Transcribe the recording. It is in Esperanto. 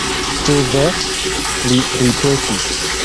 Ĉu vere!? li ripetis.